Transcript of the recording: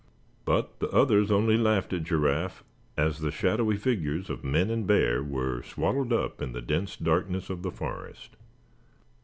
But the others only laughed at Giraffe, as the shadowy figures of men and bear were swallowed up in the dense darkness of the forest.